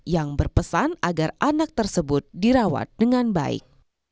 yang berpesan agar anak tersebut dirawat dengan baik